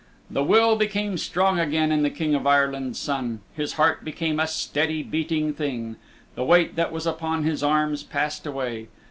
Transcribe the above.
The will became strong again in the King of Ireland's Son. His heart became a steady beating thing. The weight that was upon his arms passed away.